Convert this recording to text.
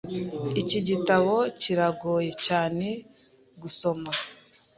Iki gitabo kiragoye cyane gusoma.